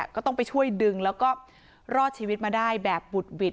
ก็ต้องไปช่วยดึงแล้วก็รอดชีวิตมาได้แบบบุดหวิด